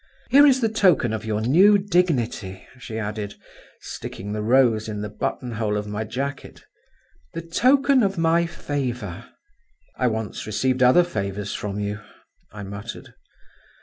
Here is the token of your new dignity," she added, sticking the rose in the buttonhole of my jacket, "the token of my favour." "I once received other favours from you," I muttered.